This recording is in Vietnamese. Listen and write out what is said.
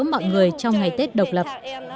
mọi người trong ngày tết độc lập